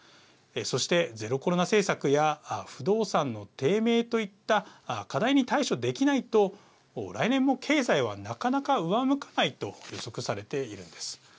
そして、ゼロコロナ政策や不動産の低迷といった課題に対処できないと来年も経済は、なかなか上向かないと予測されているんです。